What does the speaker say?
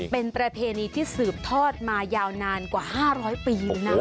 เป็นประเพณีที่สืบทอดมายาวนานกว่า๕๐๐ปีเลยนะ